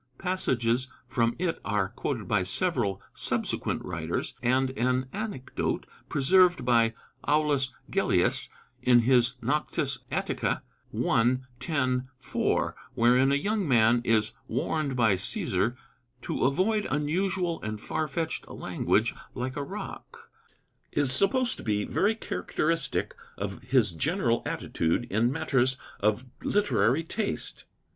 Passages from it are quoted by several subsequent writers, and an anecdote preserved by Aulus Gellius in his Noctes Atticæ I. 10. 4, wherein a young man is warned by Cæsar to avoid unusual and far fetched language "like a rock," is supposed to be very characteristic of his general attitude in matters of literary taste.